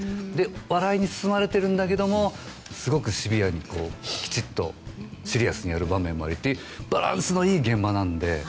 笑いに包まれてるんだけどもすごくシビアにきちっとシリアスにやる場面もあるしバランスのいい現場なので。